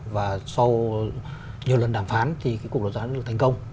và sau nhiều lần đàm phán thì cái cuộc đấu giá đã được thành công